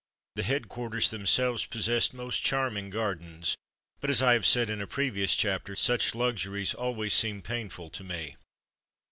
The headquarters themselves possessed most charming gardens, but as I have said in a previous chapter, such luxuries always seem painful to me.